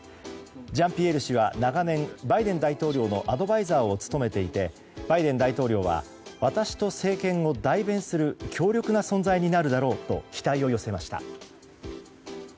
ジャンピエール氏は長年バイデン大統領のアドバイザーを務めていて、バイデン大統領は私と政権を代弁する強力な存在になるだろうと期待を寄せました。